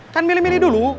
kan milih milih dulu